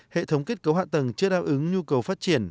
hệ thống kết cấu hạ tầng chưa đáp ứng nhu cầu phát triển